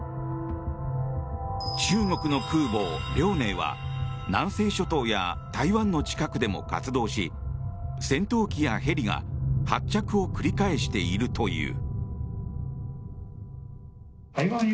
中国の空母「遼寧」は南西諸島や台湾の近くでも活動し戦闘機やヘリが発着を繰り返しているという。